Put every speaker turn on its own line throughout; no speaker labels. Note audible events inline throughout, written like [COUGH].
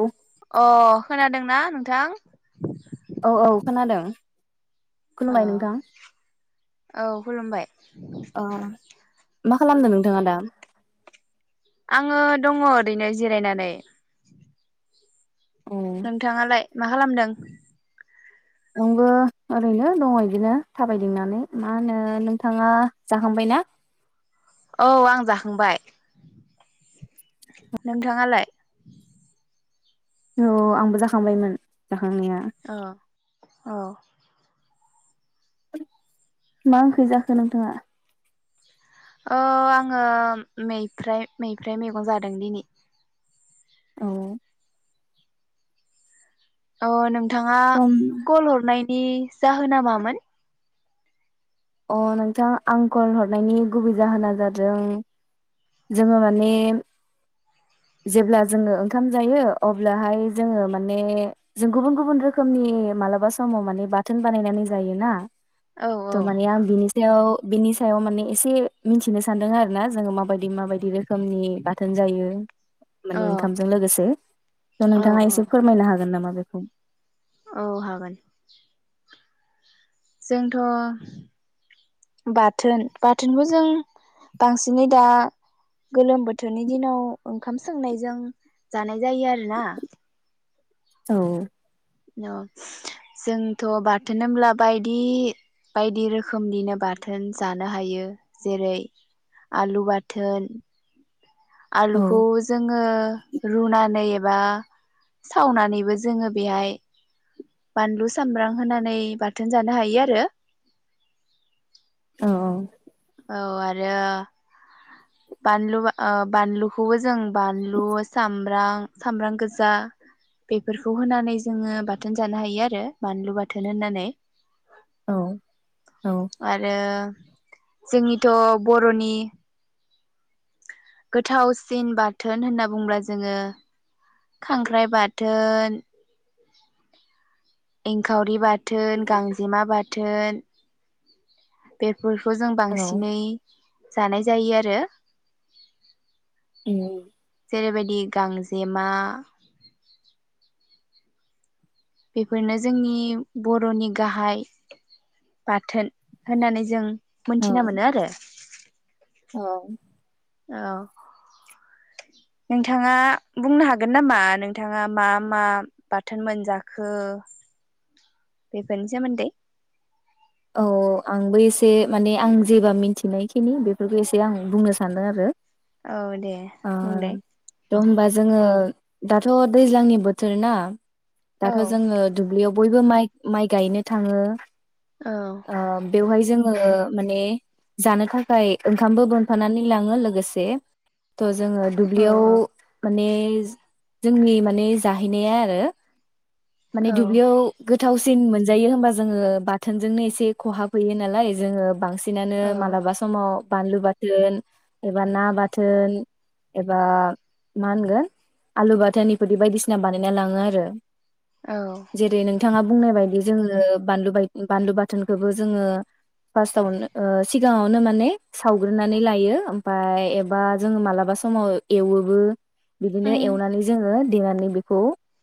औ
अ खोनादोंना नोंथां
औ औ खोनादों
औ
खुलुमबाय नोंथां
औ खुलुमबाय
औ मा खालामदों नोंथाङा दा
आङो दङ ओरैनो जिरायनानै
अ
नोंथाङालाय मा खालामदों
आंबो ओरैनो दङ इदिनो थाबायदिंनानै मा होनो नोंथाङा जाखांबायना
औ आं जाखांबाय नोंथाङालाय
औ आंबो जाखांबायमोन आंनिया
अ औ
मा ओंख्रै जाखो नोंथाङा
ओ आङो मैफ्राय मैफ्राय मैगं जादों दिनै
औ
अ नों नोंथाङा
दम
कल हरनाय नि जाहोना मामोन
अ नोंथां आं खल हरनायनि गुबै जाहोना जादों जोङो माने जेब्ला जोङो ओंखाम जायो अब्लाहाय जोङो माने जों गुबुन गुबुन रोखोमनि मालाबा समाव माने बाथोन बानायनानै जायोना
औ
त
औ
माने आ बिनिसायाव बेनि सायाव माने एसे मिथिनो सानदों आरो ना जोङो माबायदि दि माबायदि रोखोम रोखोमनि बाथोन जायो माने
औ
ओंखामजों लोगोसे थ'
औ
नोंथाङा
औ
एसे फोरमायनो हागोन नामा रोखोम
औ हागोन जोंथ' बाथोन बाथोनखौ जों बांसिनै दा गोलोम बोथोरनि दिनाव ओंखाम सोमनायजों जानाय जायो आरोना
औ
औ जोंथ' बाथोन होनब्ला बायदि बायदि रोखोमनिनो बाथोन जानो हायो जेरै आलु बाथोन
औ
आलुखौ जोङो रुनानै बा सावनानैबो जोङो बेहाय बानलु सामब्राम होनानै बाथोन जानो हायो आरो
अ
औ आरो बानलु ओ बानलुखौबो जों बानलु सामब्राम सामब्राम गोजा बेफोरखौ होनानै जोङो बाथोन जानो हायो आरो बानलु बाथोन होननानै
औ औ
आरो जोंनिथ' बर'नि गोथावसिन बाथोन होनना बुंब्ला जोङो खांख्राइ बाथोन एंखावरि बाथ थोन गांजेमा बाथ थोन बे फोरफोरखौ जों
औ
बांसिनै जानाय जायो आरो
उम
जेरैबायदि गांजेमा बेफोरनो जोंनि बर'नि गाहाय बाथोन होननानै जों
औ
मोनथिना मोनो आरो
औ
औ नोंथाङा बुंनो हागोन नामा नोंथाङा मा मा बाथोन मोनजाखो बेफोरनि सोमोन्दै
औ आंबो एसे माने आं जेबा मिन्थिनायखिनि बेफोरखौ एसे आं बुंनो सान्दों आरो।
औ दे
ओ
बुंलाय
द' होमबा जोङो दाथ' दैज्लांनि बोथोर ना
औ
दाथ' जोङो दुब्लियाव बयबो माइ माइ गायनो थाङो
औ
ओ बेवहाय जों ओ माने जानो थाखाय ओंखामबो बोनफानानै लाङो लोगोसे थ जोङो दुब्लियाव
औ
माने इस जोंनि माने जाहैनाया आरो माने
औ औ
दुब्लियाव गोथावस सिन मोनजायो होमबा जोङो बाथोनजोंनो इस से खहाब हैयो नालाय जोङो बांसि सिनानो
औ
मालाबा समाव बानलु बाथोन एबा ना बाथोन एबा मा होनगोन आलु बाथोन इफोरदि बायदिसिना बानायना लाङो आरो।
औ
जेरै नोंथाङा बुंनाय बायदि जोङो बानलु बाय बानलु बाथ थोनखोबो जोङो फास्टावनो ओ सिगाङावनो माने सावग्रोनानै लायो ओमफाय एबा जोङो मालाबा समाव एवोबो
औ
बिदिनो एवनानै जोङो देनानै बेखौ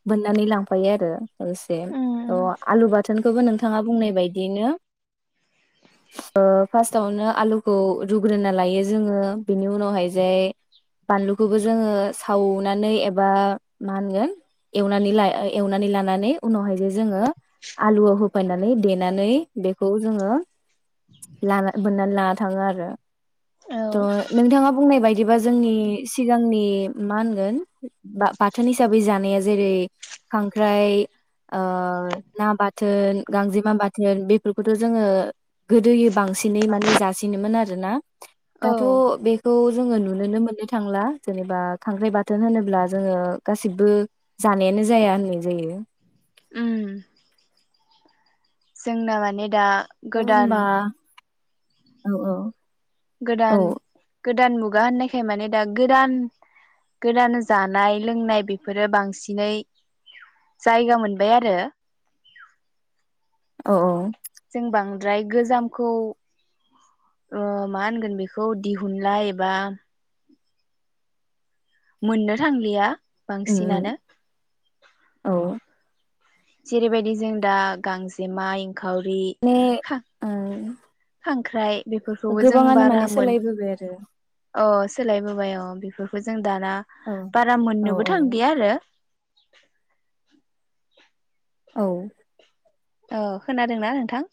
बोननानै लांफायो आरो ओसे अ आलु बाथोन खौबो नोंथाङा बुंनाय बाय दिनो ओ फार्स्टावनो आलुखौ रुग्रोना लायो जोङो बिनि उनावहाय जाय बानलुखोबो जोङो सावनानै एबा मा होनगोन एनानै ला एवनानै लानानै उनावहाय जे जोङो आलुआव होफानानै दे नानै बेखौ जोङो लाना बोननानै लाना थाङो आरो। त' नोंथाङा बुंनाय बाय दिबा जोंनि सिगांनि मा होनगोन बा बाथोन हिसाबै जानाया जेरै खांख्राइ ओ ना बाथोन गांजेमा बाथ थोन बेफोरखौथ' जोङो गोदोयो बांसिनै माने जासिनोमोन आरोना दाथ'
औ
बेखौ जोङो नुनो मोननो नो थांला जेनेबा खांख्राइ बाथोन होनोब्ला जोङो गासिबो जानायानो जाया होननाय जायो।
उम जोंना माने दा
औ
गोदान
होमबा औ औ
गोदान गोदान मुगा होननायखाय माने दा गोदान गोदान जानाय लोंनाय बेफोरो बांसिनै जायगा मोनबाय आरो
औ औ
द्राय गोजामखौ ओ मा होनगोन बिखौ दिहुनलाय एबा मोननो थांलिया
उम
बांसिनानो
उम औ
जेरैबायदि जों दा गांजेमाय खावरि
माने
हा ख्रांख्राइ
गोबाङानो माने सोलायबोबाय आरो
अ सोलायबोबाय अ बेफोरखौ जों दाना
औ
बारा
औ
मोननोबो
औ
थांदिया आरो
औ
ओ खोनादोंना नोंथां?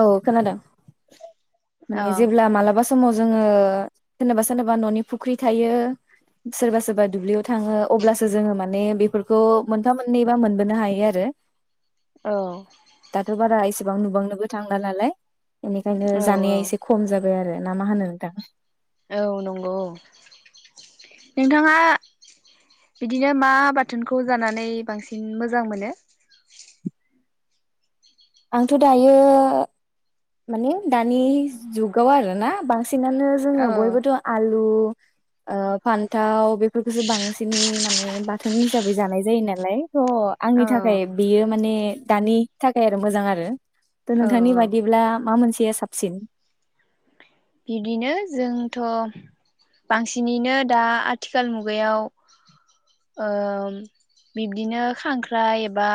औ खोनादों
[INAUDIBLE] औ
माने जेबोब्ला मालाबा समाव जोङो सोरनोबा सोरनोबा न'नि फुख्रि थायो सोरबा सोरबा दुब्लियाव थाङो अब्लासो जोङो माने बेफोरखौ मोनफा मोननैबा मोनबोनो हायो आरो
औ
सेबां नुबांनोबो थांला नालाय इनिखायनोस
औ औ
जानाया एसे खम जा बाय आरो ना मा होनो नोंथां
औ नंगौ नोंथाङा बिदिनो मा बाथोनखौ जानानै बांसिन मोजां मोनो?
आंथ' दायो माने दानि जुगाव आरोना बांसि बांसिनानो जोङो
औ
बयबोथ' आलु ओ फान्थाव बेफोरखौसो बांसिनै मान माने बाथोन हिसाबै जानाय जायो नालाय थ' आंनि
औ
थाखाय बेयो माने दानि थाखाय मोजां आरो
औ
नोंथांनि बायदिब्ला मा मोनसे थिया साबसिन
बिब्दिनो जोंथ' बांसिनैनो दा आथिखाल मुगायाव बिब्दिनो खांख्राइ एबा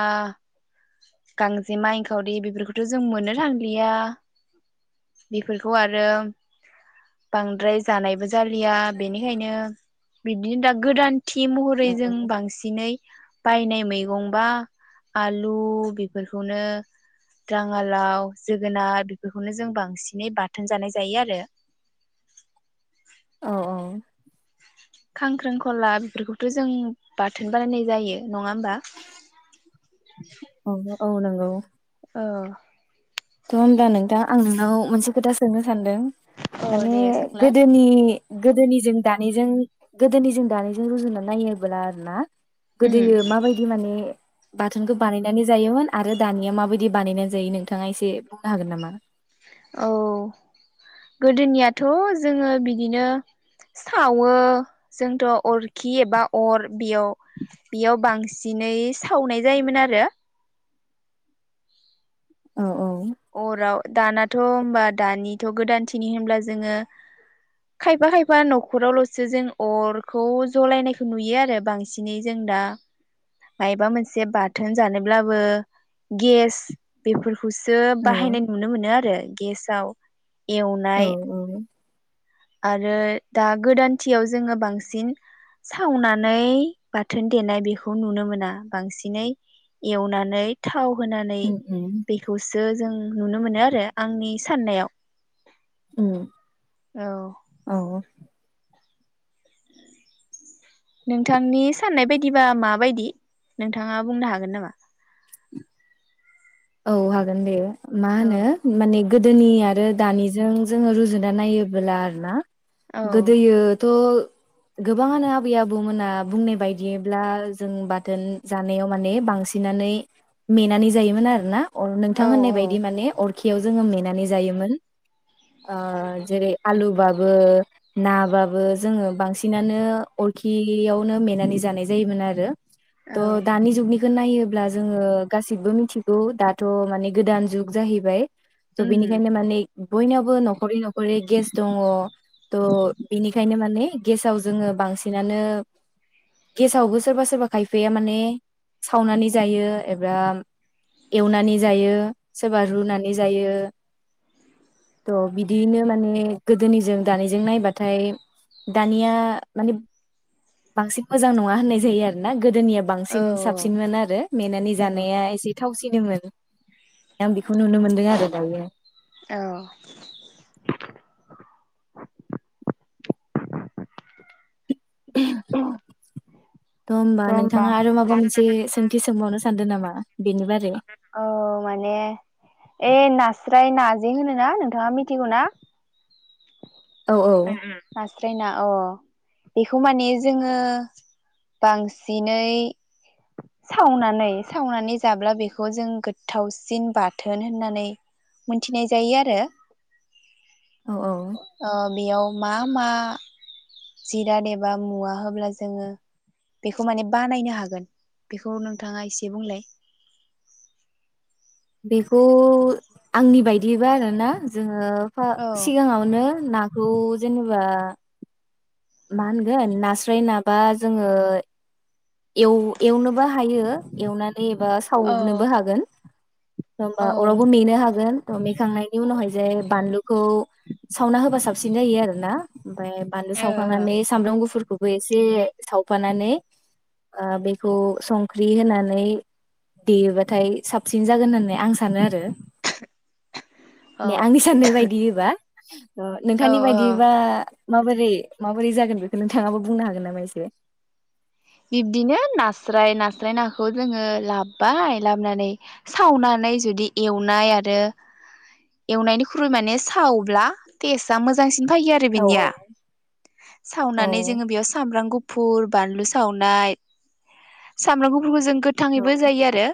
गांजेमा एनखावरि बेफोरखौथ' जों मोननो थांलिया बेफोरखौ आरो बांद्राय जानायबो जा जालिया बेनिखायनो बिदि दा गोदान थि महरै
औ
जों बांसिनै बायनाय मैगंबा आलु बेफोरखौनो राङालाव जोगोनार बेफोरखौनो जों बांसिनै बाथोन जानाय जानाय जायो आरो
औ औ
खांख्रिंखला बेफोरखौथ' जों बाथोन बानायनाय जायो नङा होमबा
औ औ औ नंगौ
ओ
थ' होनब्ला नोंथां आं नोंनाव मोनसे खोथा सोंनो सानदों
औ
माने
दे सोंलाय
गोदोनि गोदोनिजों दानिजों गोदोनिजों दानिजों रुजुना नायोब्ला आरो ना
उम
गोदोयो माबायदि माने बाथोनखौ बानायनानै जायोमोन आरो दानिया माबायदि बानायनानै जायो नोंथाङा एसे जे बुंनो हागोन नामा
औ गोदोनियाथ' जोङो बिदिनो सावो जोंथ' अरखि एबा अर बेयाव बेयाव बांसिनै सावनाय जायोमोन आरो
औ औ
अराव दानाथ' होनबा दानिथ' गोदानथिनि होनब्ला जोङो खायफा खायफा न'खरावल'सो जों अरखौ जलायनायखौ नुयो आरो बांसिनै जों दा मायबा मोनसे बाथोन जानोब्लाबो गेस बेफोरखौसो बाहायनाय नुनो मोनो आरो गेसाव
औ
एवनाय आरो दा गोदानथियाव जोङो बांसिन सावनानै बाथोन देनाय बेखौ नुनो मोना बांसिनै एवनानै थाव होनानै
उम
बेखौ जों नुनो मोनो आरो आंनि साननायाव
उ
औ नोंथांनि साननाय बायदिबा माबायदि नोंथाङा बुंनो हागोन नामा
औ हागोन दे मा
औ
होनो माने गोदोनि आरो दानिजों जोङो रुजुना नायोबोला आरो ना
औ
गोदोयोथ' गोबाङानो आबै आबौमोना बुंनाय बायदिब्ला जों बाथोन जानायाव माने बांसिननानै मेनानै जायोमोन आरो ना अ
औ
नोंथां होननाय बायदि माने अर खियाव जोङो मेनानै जायोमोन ओ जेरै आलुबाबो नाबाबो जोङो बांसिनानो अरखियावनो मेनानै जानाय जायोमोन आरो
औ
त दानिनि जुगनि नायोब्ला जोङो गासिबो मिथि गौ दाथ' माने गोदान जुग जाहैबाय त'
उम
बेनिखायनो माने बयनावबो न'खरै न'खरै गेस दङ थ' बिनिखायनो माने गेसाव जोङो बांसिनानो गेसावबो सोरबा सोरबा खायफाया माने सावनानै जायो एबा एवनानै जायो सोरबा रुनानै जायो थह बिदियैनो माने गोदोनिजों दानिजों नायबाथाय दानिया माने बांसिन मोजां नङा होननाय जायो आरोना गोदो दोनिया
औ
बांसिन साबसिनमोन आरो मेनानै
औ
जानाया एसे थावसिन निनोमोन आं बेखौ नुनो मोनदों आरो दायो
औ
[INAUDIBLE] थ' होमबा नोंथाङा आरो माबा मोनसे सोंथि सोंबावनो सानदों नामा बेनि बारै
औ माने ए नास्राय नाजे होनो ना नोंथाङा मिथिगौ ना
औ औ
[UNINTELLIGIBLE] नास्राय ना अ बेखौ माने जोङो बांसिनै सावनानै सावनानै जाब्ला बेखौ जों गोथावसिन बाथोन होननानै मोनथिनाय जायो आरो
औ औ
बेयाव‌ मा मा जिराद एबा मुवा होब्ला जोङो बेखौ माने‌ बानायनो हागोन बेखौ नोंथाङा एसे बुंलाय
बेखौ आंनि बायदियैबा आरोना जोङो ओ फा
औ
सिगाङावनो ना औ जेनेबा मा होनगोन नास्राय नाबा जोङो एव एवनोबो हायो एवनानै नैबा
औ
सावनोबो हागोन होमबा
औ
अरावबो नेनो हागोन अ मेखांनायनि उनावहाय जे बानलुखौ सावना होबा साबसिन जायो आरो ना ओमफ्राय बानलु
औ
सावखांनानै सामब्राम गुफुरखौबो एसे सावफानानै ओ बेखौ संख्रि होनानै देयोबाथाय साबसिन जागोन होननानै आं सानो आरो ने आंनि साननाय बायदियैबा [INAUDIBLE] ओ
औ
नोंथांनि
औ
बायदियैबा माबोरै माबोरै जागोन बेखौ नोंथाङाबो बुंनो हागोन नामा एसे
बिब्दिनो नास्राय नास्राय नाखौ जोङो लाबोबाय लाबोनानै सावनानै जुदि एवनाय आरो एवनायनिख्रुइ माने सावब्ला टेस्टआ मोजांसिन फैयो आरो
औ
बेनिया
औ
सावनानै जोङो बेयाव सामब्राम गुुफ फुर बानलु सि सावनाय सामब्राम गुुफुरफोरखौ जों
औ
गोथाङैबो जायो आरो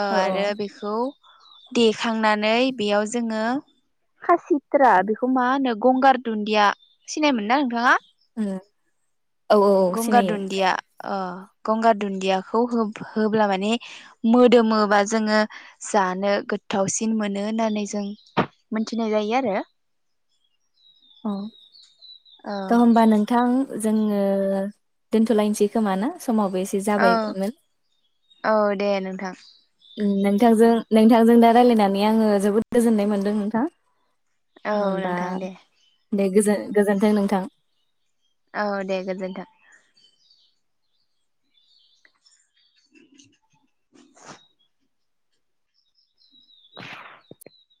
ओ
औ
आरो बेखौ देखांनानै बेयाव जोङो खासिथ्रा बेखौ मा होनो गंगार दुन्दिया सिनायमोनो ना नोंथाङा
ओम
गंगार दुन्दिया ओ गंगार दुन्दियाखौ हो होब्ला माने मोदोमोबा जोङो जानो गोथावसिन मोनो होननानै जों मोनथिनाय जायो आरो
औ
औ
दं होमबा नोंथां जोङो दोनथ'लायनोसै खोमा ना समावबो एसे
औ
जाबायमोन
औ दे नोंथां
नोंथांजों नोंथांजों दा रायलायनानै आङो जोबोद गोजोननाय मोनदों नोंथां
औ
होनबा
नोंथां दे
गोजोन गोजोनथों नोंथां
औ दे गोजोन्थों [INAUDIBLE] [INAUDIBLE]